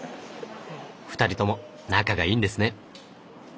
２人とも仲がいいんですね。